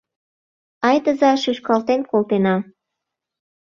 Айдыза шӱшкалтен колтена.